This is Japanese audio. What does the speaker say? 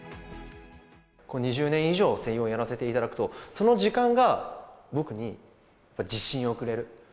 ２０年以上声優をやらせていただくと、その時間が僕に自信をくれる。